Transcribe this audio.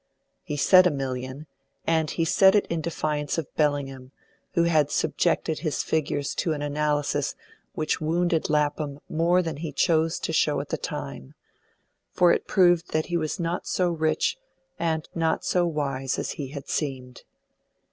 He said a million, and he said it in defiance of Bellingham, who had subjected his figures to an analysis which wounded Lapham more than he chose to show at the time, for it proved that he was not so rich and not so wise as he had seemed.